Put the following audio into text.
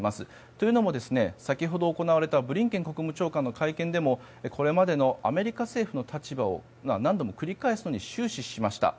というのも先ほど行われたブリンケン国務長官の会見でもこれまでのアメリカ政府の立場を何度も繰り返すことに終始しました。